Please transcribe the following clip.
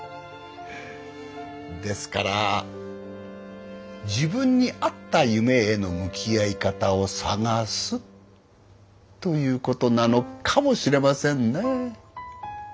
ですから自分に合った夢への向き合い方を探すということなのかもしれませんね。